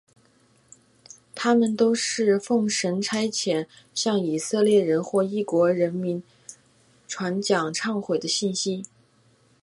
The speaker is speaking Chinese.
他们都是奉神差遣向以色列人或异国的人民传讲悔改的信息。